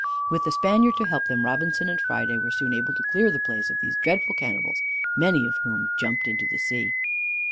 With the Spaniard to help them, Robinson and Friday were soon able to clear the place of these dreadful cannibals, many of whom jumped into the sea.